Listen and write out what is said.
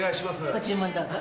ご注文どうぞ。